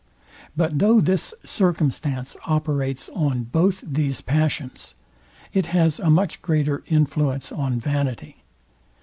But though this circumstance operates on both these passions, it has a much greater influence on vanity.